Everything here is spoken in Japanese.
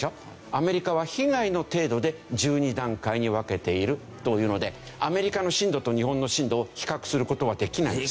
アメリカは被害の程度で１２段階に分けているというのでアメリカの震度と日本の震度を比較する事はできないんです。